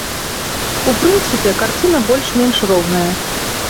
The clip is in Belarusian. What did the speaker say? У прынцыпе, карціна больш-менш роўная.